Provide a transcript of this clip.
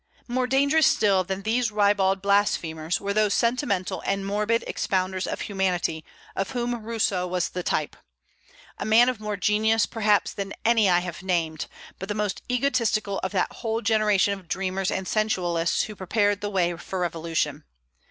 More dangerous still than these ribald blasphemers were those sentimental and morbid expounders of humanity of whom Rousseau was the type, a man of more genius perhaps than any I have named, but the most egotistical of that whole generation of dreamers and sensualists who prepared the way for revolution.